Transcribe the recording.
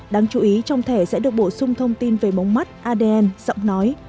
đáng chú ý trong thẻ sẽ được bổ sung thông tin về mống mắt adn giọng nói